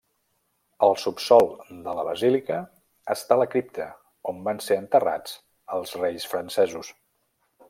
Al subsòl de la basílica està la cripta on van ser enterrats els reis francesos.